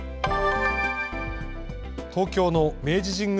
東京の明治神宮